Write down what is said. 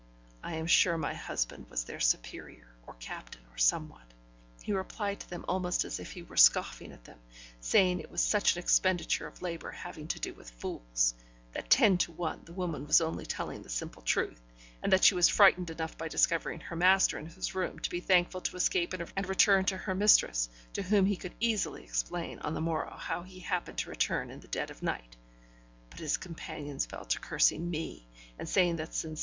I am sure my husband was their superior, or captain, or somewhat. He replied to them almost as if he were scoffing at them, saying it was such an expenditure of labour having to do with fools; that, ten to one, the woman was only telling the simple truth, and that she was frightened enough by discovering her master in his room to be thankful to escape and return to her mistress, to whom he could easily explain on the morrow how he happened to return in the dead of night. But his companions fell to cursing me, and saying that since M.